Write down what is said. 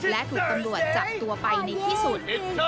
และถูกตำรวจจับตัวไปในที่สุด